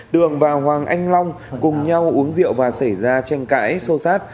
tường và hoàng anh long cùng nhau uống rượu và xảy ra tranh cãi sâu sát